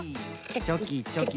チョキチョキ。